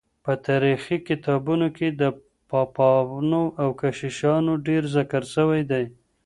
په تاريخي کتابونو کي د پاپانو او کشيشانو ډېر ذکر سوی دی.